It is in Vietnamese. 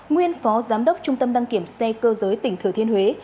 nguyên phó giám đốc trung tâm đăng kiểm xe cơ giới tỉnh thừa thiên huế